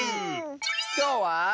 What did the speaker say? きょうは。